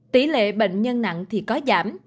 tỷ lệ bệnh nhân nặng thì có giảm